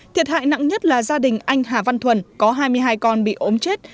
thiệt hại nặng nhất là gia đình anh hà văn thuần có hai mươi hai con bị ốm chết